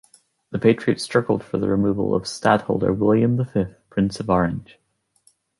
The Patriots struggled for the removal of stadtholder William the Fifth, Prince of Orange.